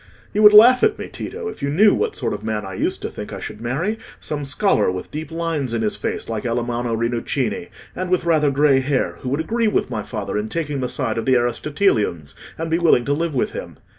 You would laugh at me, Tito, if you knew what sort of man I used to think I should marry—some scholar with deep lines in his face, like Alamanno Rinuccini, and with rather grey hair, who would agree with my father in taking the side of the Aristotelians, and be willing to live with him.